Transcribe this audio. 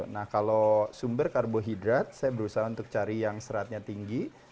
nah kalau sumber karbohidrat saya berusaha untuk cari yang seratnya tinggi